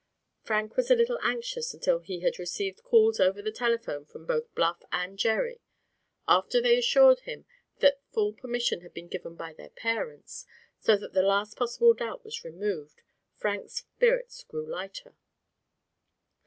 Frank was a little anxious until he had received calls over the telephone from both Bluff and Jerry. After they assured him that full permission had been given by their parents, so that the last possible doubt was removed, Frank's spirits grew lighter.